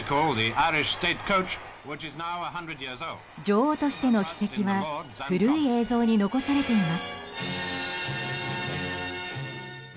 女王としての軌跡は古い映像に残されています。